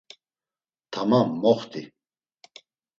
Tamam, moxti.